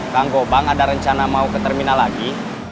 kak ngobang ada rencana mau ke terminal lagi